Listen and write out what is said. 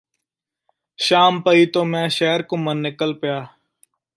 ਸ਼ਾਂਮ ਪਈ ਤੋਂ ਮੈਂ ਸ਼ਹਿਰ ਘੁੰਮਣ ਨਿੱਕਲ ਪਿਆ